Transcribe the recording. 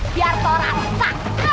biar kau rasa